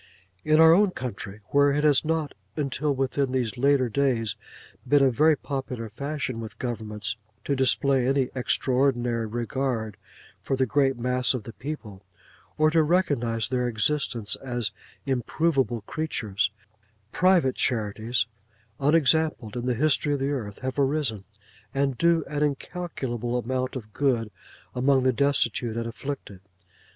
In our own country, where it has not, until within these later days, been a very popular fashion with governments to display any extraordinary regard for the great mass of the people or to recognise their existence as improvable creatures, private charities, unexampled in the history of the earth, have arisen, to do an incalculable amount of good among the destitute and afflicted.